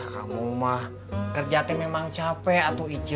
kamu mah kerjaan memang capek ato ije